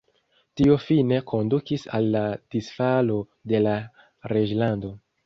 Tio fine kondukis al la disfalo de la reĝlando.